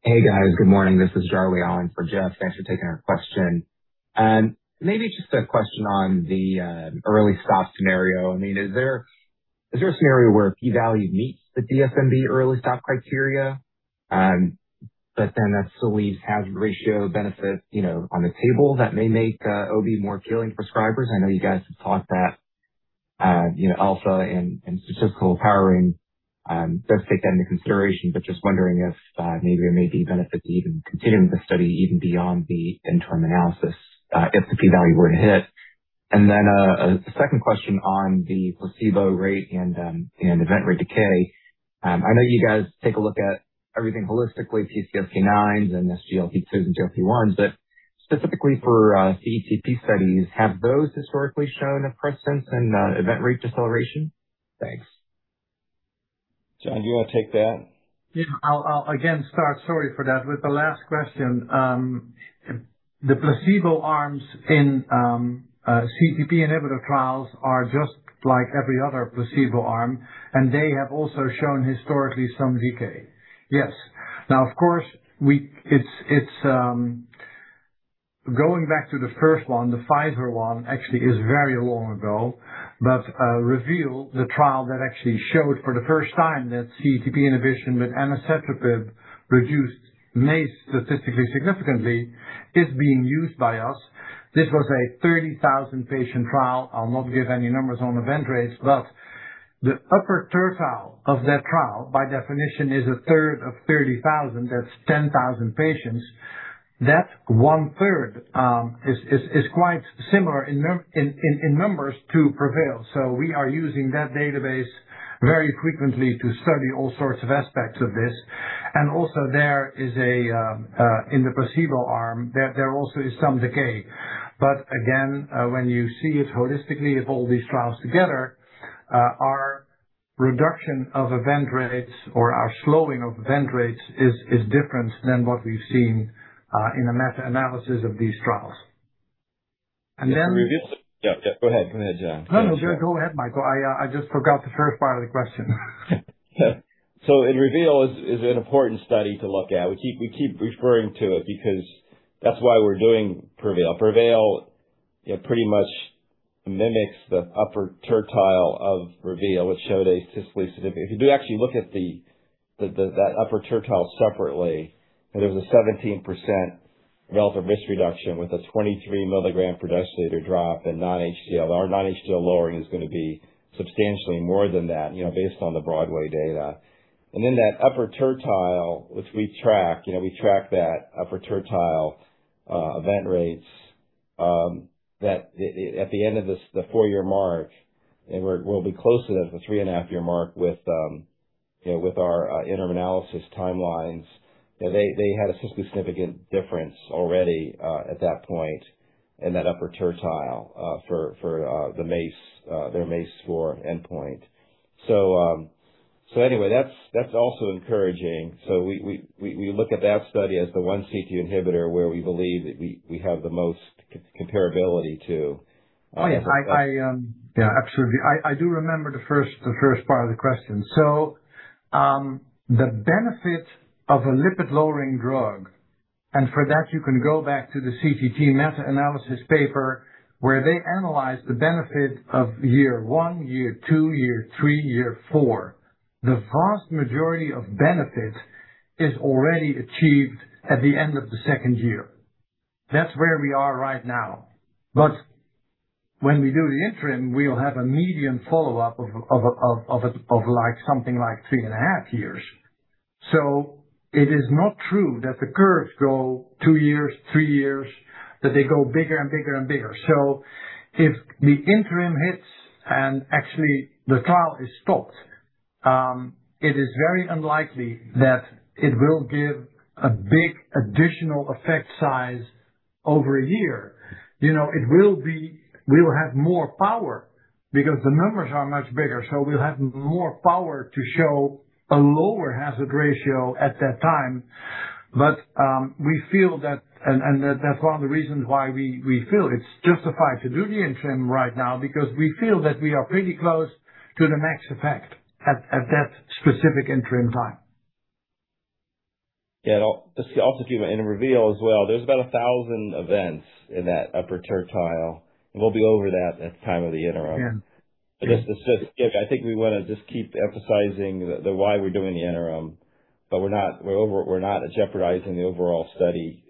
Hey, guys. Good morning. This is Jarwei in for Jeff. Thanks for taking our question. Maybe just a question on the early stop scenario. I mean, is there a scenario where a p-value meets the DSMB early stop criteria that still leaves hazard ratio benefit, you know, on the table that may make OB more appealing prescribers? I know you guys have talked that, you know, alpha and statistical powering does take that into consideration, just wondering if maybe there may be benefit to even continuing the study even beyond the interim analysis if the p-value were to hit. A second question on the placebo rate and event rate decay. I know you guys take a look at everything holistically, PCSK9s and SGLT2s and GLP-1s, but specifically for CETP studies, have those historically shown a presence in event rate deceleration? Thanks. John, do you want to take that? I'll again start, sorry for that, with the last question. The placebo arms in CETP inhibitor trials are just like every other placebo arm, they have also shown historically some decay. Yes. Of course, it's going back to the first one, the Pfizer one actually is very long ago, REVEAL the trial that actually showed for the first time that CETP inhibition with anacetrapib reduced MACE statistically significantly is being used by us. This was a 30,000 patient trial. I'll not give any numbers on event rates, the upper tertile of that trial, by definition, is a third of 30,000. That's 10,000 patients. That one-third is quite similar in numbers to PREVAIL. We are using that database very frequently to study all sorts of aspects of this. There is in the placebo arm, there also is some decay. When you see it holistically of all these trials together, our reduction of event rates or our slowing of event rates is different than what we've seen in the meta-analysis of these trials. Yeah. Go ahead. Go ahead, John. No, no. Go ahead, Michael. I just forgot the first part of the question. REVEAL is an important study to look at. We keep referring to it because that's why we're doing PREVAIL. PREVAIL, you know, pretty much mimics the upper tertile of REVEAL, which showed a statistically significant If you do actually look at that upper tertile separately, there's a 17% relative risk reduction with a 23 mg/dL drop in non-HDL. Our non-HDL lowering is going to be substantially more than that, you know, based on the BROADWAY data. That upper tertile, which we track that upper tertile event rates, at the end of this, the four-year mark, and we'll be closer to the 3.5-year mark with, you know, with our interim analysis timelines. You know, they had a statistically significant difference already at that point in that upper tertile for the MACE, their MACE-4 endpoint. Anyway, that's also encouraging. We look at that study as the one CETP inhibitor where we believe that we have the most comparability to. Oh, yeah. I, yeah, absolutely. I do remember the first part of the question. The benefit of a lipid-lowering drug, and for that, you can go back to the CETP meta-analysis paper, where they analyzed the benefit of year one, year two, year three, year four. The vast majority of benefit is already achieved at the end of the second year. That's where we are right now. When we do the interim, we'll have a median follow-up of like something like three and a half years. It is not true that the curves go two years, three years, that they go bigger and bigger and bigger. If the interim hits and actually the trial is stopped. It is very unlikely that it will give a big additional effect size over a year. You know, we will have more power because the numbers are much bigger, so we'll have more power to show a lower hazard ratio at that time. We feel that that's one of the reasons why we feel it's justified to do the interim right now because we feel that we are pretty close to the max effect at that specific interim time. Yeah. Also keep in REVEAL as well. There's about 1,000 events in that upper tertile, and we'll be over that at the time of the interim. Yeah. I think we want to just keep emphasizing the why we're doing the interim, but we're not jeopardizing the overall study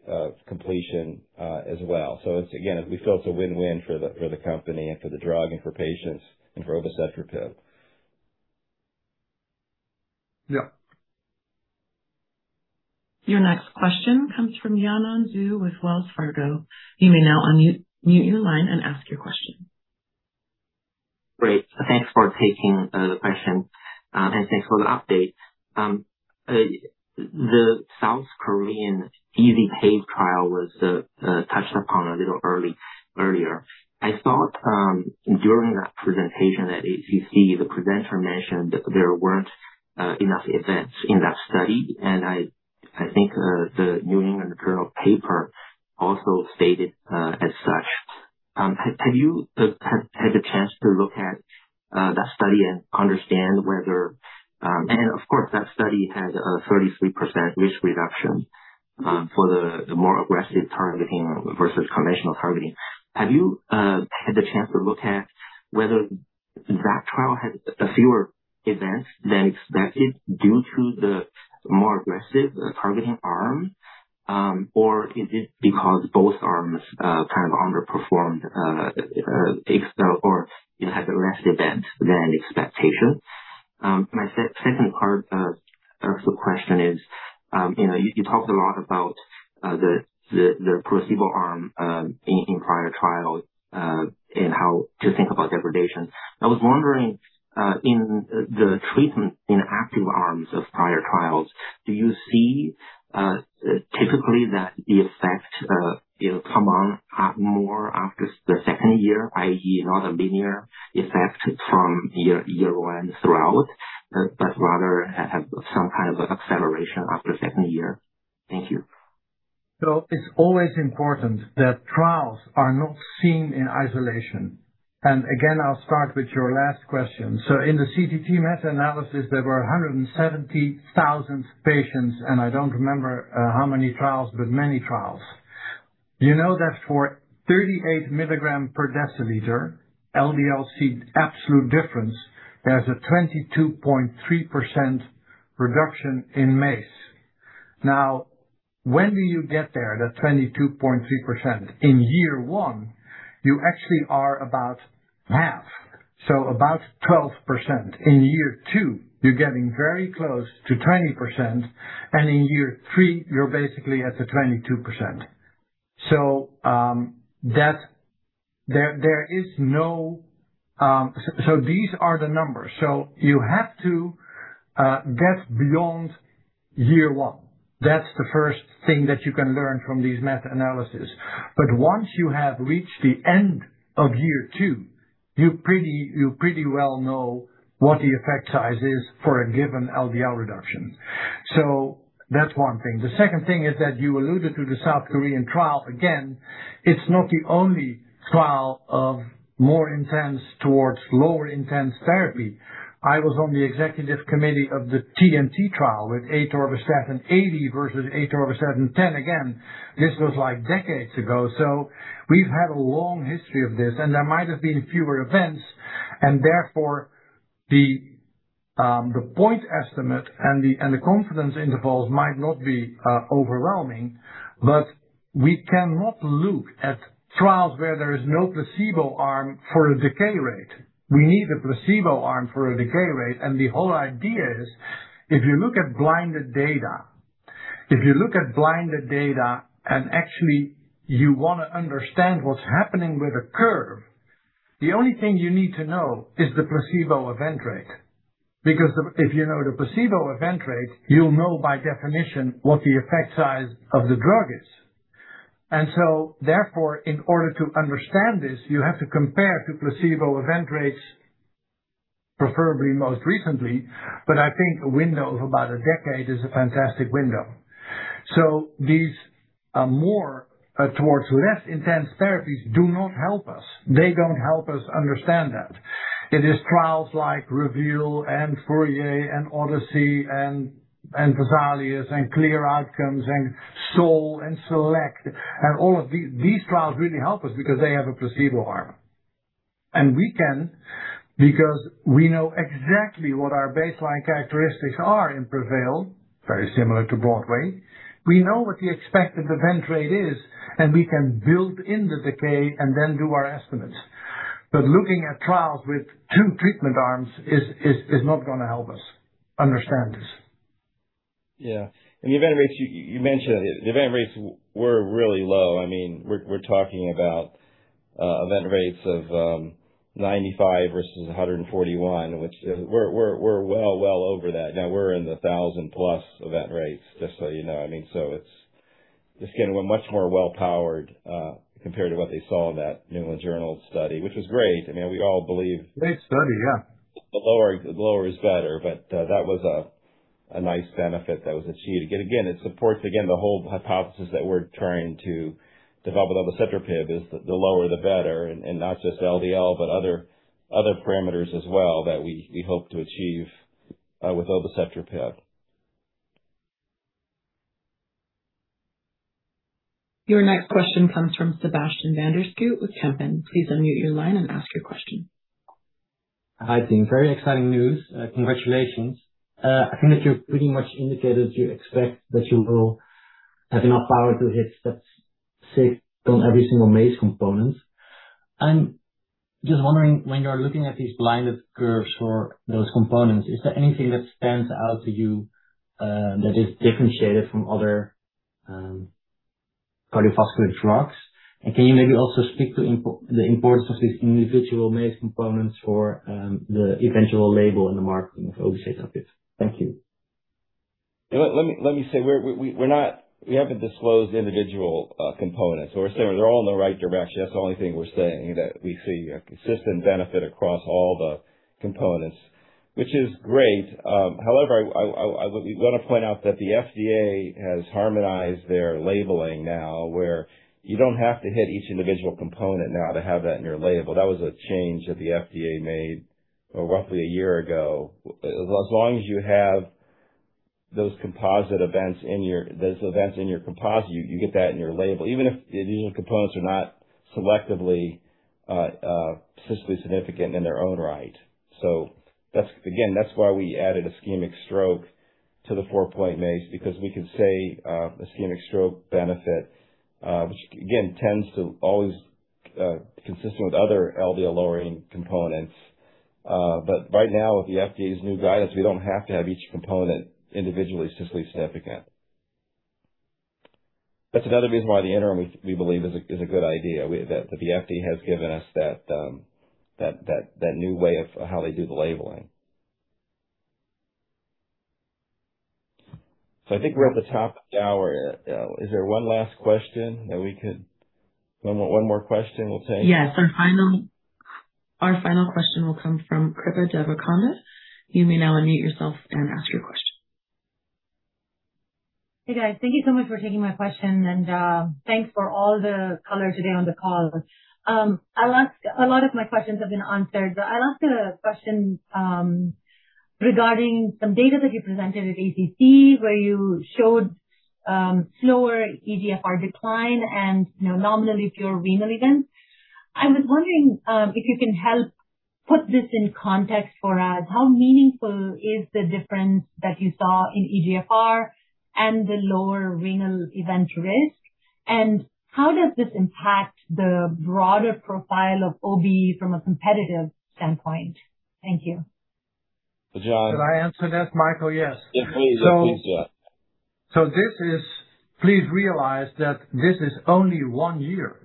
completion as well. It's again, we feel it's a win-win for the company and for the drug and for patients and for obicetrapib. Yeah. Your next question comes from Yanan Zhu with Wells Fargo. You may now unmute, mute your line and ask your question. Great. Thanks for taking the question, and thanks for the update. The South Korean EZ-PAVE trial was touched upon a little earlier. I thought, during that presentation at ACC, the presenter mentioned there weren't enough events in that study, and I think the New England Journal paper also stated as such. Have you had the chance to look at that study and understand whether, and of course, that study had a 33% risk reduction for the more aggressive targeting versus conventional targeting. Have you had the chance to look at whether that trial had a fewer events than expected due to the more aggressive targeting arm? Or is it because both arms kind of underperformed, or it had less events than expectation? My second part of the question is, you know, you talked a lot about the placebo arm in prior trials and how to think about degradation. I was wondering, in the treatment in active arms of prior trials, do you see typically that the effect it'll come on more after the second year, i.e., not a linear effect from year one throughout, but rather have some kind of an acceleration after second year? Thank you. It's always important that trials are not seen in isolation. Again, I'll start with your last question. In the CTT meta-analysis, there were 170,000 patients, I don't remember how many trials, but many trials. You know that for 38 mg/dL, LDL-C absolute difference, there's a 22.3% reduction in MACE. Now, when do you get there, that 22.3%? In year one, you actually are about half, so about 12%. In year two, you're getting very close to 20%, and in year three, you're basically at the 22%. There is no. These are the numbers. You have to get beyond year one. That's the first thing that you can learn from these meta-analysis. Once you have reached the end of year two, you pretty well know what the effect size is for a given LDL reduction. The second thing is that you alluded to the South Korean trial. It's not the only trial of more intense towards lower intense therapy. I was on the executive committee of the TNT trial with atorvastatin 80 versus atorvastatin 10. This was like decades ago. We've had a long history of this, and there might have been fewer events, and therefore the point estimate and the confidence intervals might not be overwhelming. We cannot look at trials where there is no placebo arm for a decay rate. We need a placebo arm for a decay rate. The whole idea is if you look at blinded data, if you look at blinded data and actually you want to understand what's happening with a curve, the only thing you need to know is the placebo event rate. If you know the placebo event rate, you'll know by definition what the effect size of the drug is. Therefore, in order to understand this, you have to compare to placebo event rates, preferably most recently. I think a window of about a decade is a fantastic window. These more towards less intense therapies do not help us. They don't help us understand that. It is trials like REVEAL and FOURIER and ODYSSEY Outcomes and VESALIUS-CV and CLEAR Outcomes and SOUL and SELECT and all of these. These trials really help us because they have a placebo arm. We can because we know exactly what our baseline characteristics are in PREVAIL, very similar to BROADWAY. We know what the expected event rate is, and we can build in the decay and then do our estimates. Looking at trials with two treatment arms is not going to help us understand this. Yeah. The event rates you mentioned, the event rates were really low. I mean, we're talking about event rates of 95 versus 141, which we're well over that now. We're in the 1,000+ event rates, just so you know. I mean, so it's getting much more well powered compared to what they saw in that New England Journal study, which was great. Great study. Yeah. The lower is better. That was a nice benefit that was achieved. It supports, again, the whole hypothesis that we're trying to develop with obicetrapib is the lower the better, and not just LDL, but other parameters as well that we hope to achieve with obicetrapib. Your next question comes from Sebastiaan van der Schoot with Kempen. Please unmute your line and ask your question. Hi, team. Very exciting news. Congratulations. I think that you pretty much indicated you expect that you will have enough power to hit stats sig on every single MACE component. I'm just wondering, when you're looking at these blinded curves for those components, is there anything that stands out to you, that is differentiated from other, cardiovascular drugs? Can you maybe also speak to the importance of these individual MACE components for, the eventual label and the marketing of obicetrapib? Thank you. Let me say we haven't disclosed individual components. We're saying they're all in the right direction. That's the only thing we're saying, that we see a consistent benefit across all the components, which is great. However, I want to point out that the FDA has harmonized their labeling now, where you don't have to hit each individual component now to have that in your label. That was a change that the FDA made roughly a year ago. As long as you have those events in your composite, you get that in your label, even if the individual components are not selectively statistically significant in their own right. That's, again, that's why we added ischemic stroke to the 4-point MACE, because we can say ischemic stroke benefit, which again tends to always consistent with other LDL-lowering components. Right now, with the FDA's new guidance, we don't have to have each component individually statistically significant. That's another reason why the interim, we believe, is a good idea. That the FDA has given us that new way of how they do the labeling. I think we're at the top of the hour. Is there one last question that we could take? Yes. Our final question will come from Kripa Devarakonda. You may now unmute yourself and ask your question. Hey, guys. Thank you so much for taking my question. Thanks for all the color today on the call. A lot of my questions have been answered, but I'll ask a question regarding some data that you presented at ACC where you showed slower eGFR decline and, you know, nominally fewer renal events. I was wondering if you can help put this in context for us. How meaningful is the difference that you saw in eGFR and the lower renal event risk, and how does this impact the broader profile of OB from a competitive standpoint? Thank you. John. Should I answer that, Michael? Yes. Yeah, please. Yeah. Please realize that this is only one year.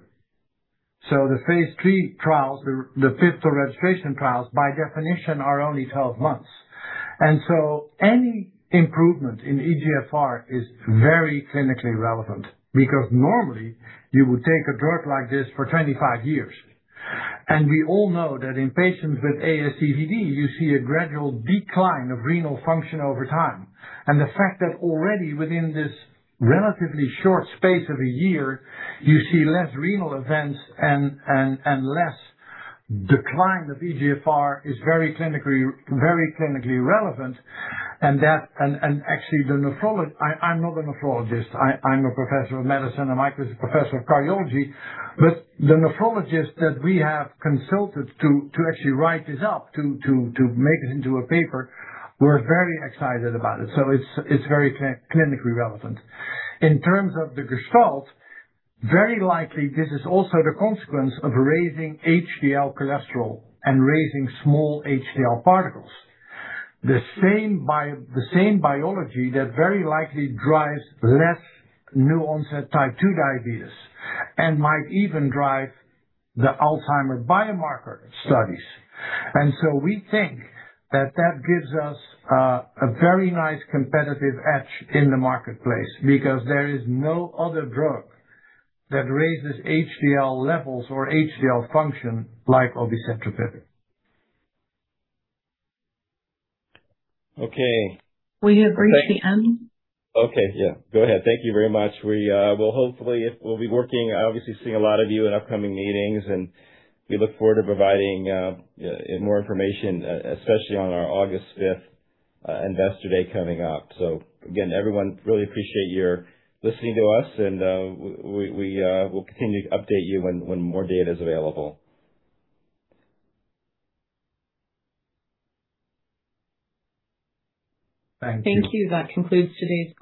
The phase III trials, the pivotal registration trials, by definition, are only 12 months. Any improvement in eGFR is very clinically relevant because normally you would take a drug like this for 25 years. We all know that in patients with ASCVD, you see a gradual decline of renal function over time. The fact that already within this relatively short space of a year, you see less renal events and less decline of eGFR is very clinically relevant. I am not a nephrologist. I am a professor of medicine, and Mike is a professor of cardiology. The nephrologist that we have consulted to actually write this up, to make it into a paper, we are very excited about it. It's very clinically relevant. In terms of the gestalt, very likely this is also the consequence of raising HDL cholesterol and raising small HDL particles. The same biology that very likely drives less new onset type 2 diabetes and might even drive the Alzheimer's biomarker studies. We think that gives us a very nice competitive edge in the marketplace because there is no other drug that raises HDL levels or HDL function like obicetrapib. Okay. We have reached the end. Okay. Yeah, go ahead. Thank you very much. We'll hopefully be working, obviously seeing a lot of you in upcoming meetings, and we look forward to providing more information, especially on our August 5th Investor Day coming up. Again, everyone, really appreciate your listening to us and we'll continue to update you when more data is available. Thank you. Thank you. That concludes today's call.